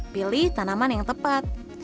pilih tanaman yang tepat